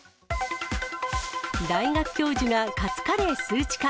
大学教授がカツカレー数値化。